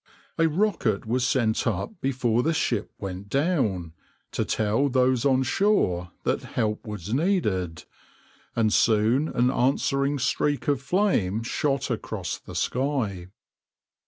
A rocket was sent up before the ship went down, to tell those on shore that help was needed, and soon an answering streak of flame shot across the sky.